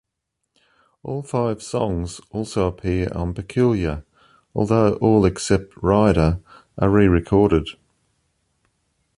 All five songs also appear on "Peculiar", although all except "Rider" are re-recorded.